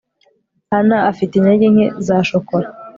ann afite intege nke za shokora